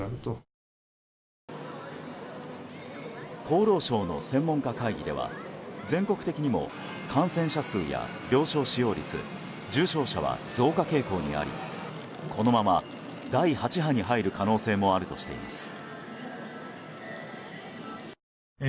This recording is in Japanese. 厚労省の専門家会議では全国的にも感染者数や病床使用率重症者は増加傾向にありこのまま第８波に入る可能性もあるとしています。